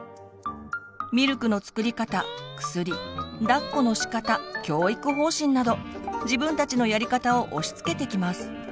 ミルクの作り方薬だっこのしかた教育方針など自分たちのやり方を押しつけてきます。